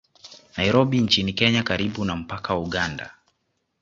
Nairobi nchini Kenya karibu na mpaka wa Uganda